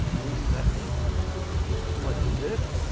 Will you let me?" "What is it?"